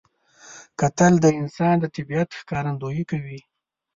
کتل د انسان د طبیعت ښکارندویي کوي